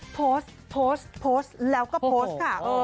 โพสต์แล้วก็โพสต์ค่ะ